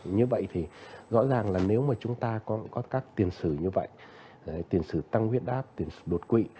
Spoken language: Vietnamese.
như vậy thì rõ ràng là nếu mà chúng ta có các tiền sử như vậy tiền xử tăng huyết áp tiền đột quỵ